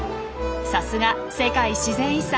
さすが世界自然遺産